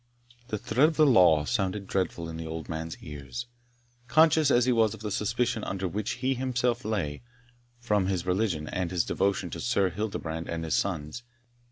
The threat of the law sounded dreadful in the old man's ears, conscious as he was of the suspicion under which he himself lay, from his religion and his devotion to Sir Hildebrand and his sons.